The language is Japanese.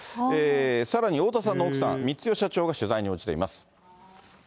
さらに太田さんの奥さん、光代社長が取材に応じています。